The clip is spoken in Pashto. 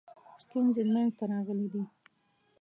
ستونزې منځته راغلي دي.